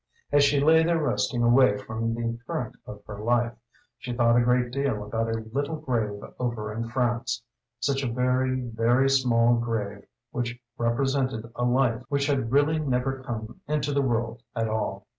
As she lay there resting, away from the current of her life, she thought a great deal about a little grave over in France, such a very, very small grave which represented a life which had really never come into the world at all.